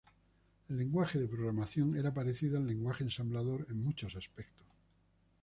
El lenguaje de programación era parecido al lenguaje ensamblador en muchos aspectos.